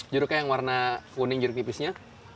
jeruknya yang warna kuning jeruk nipisnya